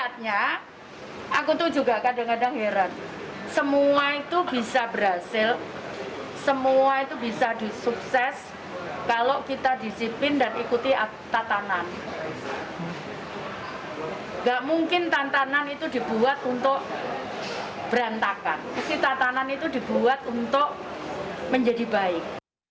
tidak mungkin tantanan itu dibuat untuk berantakan pasti tantanan itu dibuat untuk menjadi baik